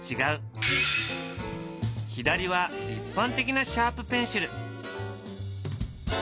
左は一般的なシャープペンシル。